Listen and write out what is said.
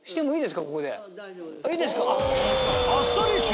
あっいいですか？